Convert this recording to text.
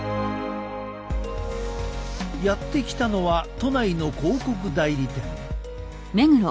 やって来たのは都内の広告代理店。